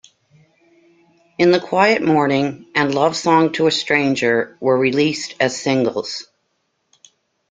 "In the Quiet Morning" and "Love Song to a Stranger" were released as singles.